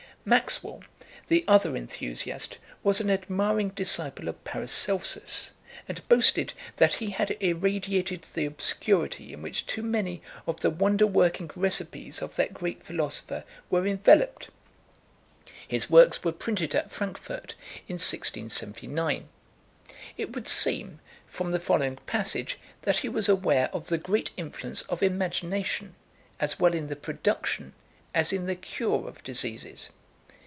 Maxwell, the other enthusiast, was an admiring disciple of Paracelsus, and boasted that he had irradiated the obscurity in which too many of the wonder working recipes of that great philosopher were enveloped. His works were printed at Frankfort in 1679. It would seem, from the following passage, that he was aware of the great influence of imagination, as well in the production as in the cure of diseases.